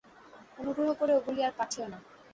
অনুগ্রহ করে ওগুলি আর পাঠিও না।